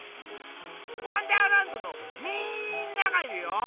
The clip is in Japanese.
「わんだーらんど」のみんながいるよ！